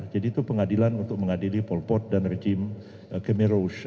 jadi itu pengadilan untuk mengadili pol pol dan regime khmer rouge